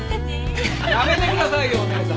やめてくださいよお義姉さん。